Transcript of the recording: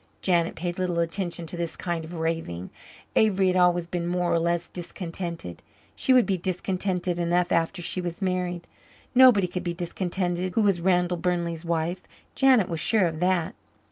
Janet paid little attention to this kind of raving. Avery had always been more or less discontented. She would be contented enough after she was married. Nobody could be discontented who was Randall Burnley's wife. Janet was sure of that.